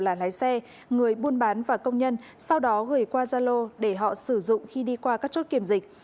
là lái xe người buôn bán và công nhân sau đó gửi qua gia lô để họ sử dụng khi đi qua các chốt kiểm dịch